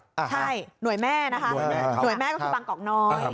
ใช่หน่วยแม่นะคะหน่วยแม่ก็คือบางกอกน้อย